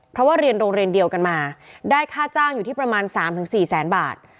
เพราะว่าเรียนโรงเรียนเดียวกันมาได้ค่าจ้างอยู่ที่ประมาณ๓๔แสนบาท